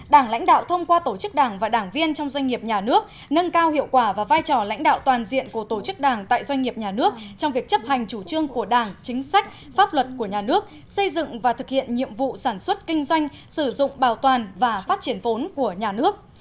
đảng lãnh đạo thông qua tổ chức đảng và đảng viên trong doanh nghiệp nhà nước nâng cao hiệu quả và vai trò lãnh đạo toàn diện của tổ chức đảng tại doanh nghiệp nhà nước trong việc chấp hành chủ trương của đảng chính sách pháp luật của nhà nước xây dựng và thực hiện nhiệm vụ sản xuất kinh doanh sử dụng bảo toàn và phát triển vốn của nhà nước